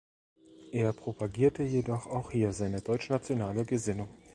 Er propagierte jedoch auch hier seine deutschnationale Gesinnung.